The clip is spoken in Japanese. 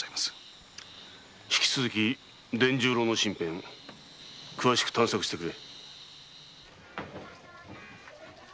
引き続き大貫の事を詳しく探索してくれ。